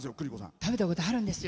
食べたことあるんですよ